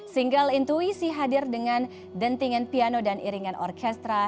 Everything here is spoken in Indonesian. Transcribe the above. single intuisi hadir dengan dentingan piano dan iringan orkestra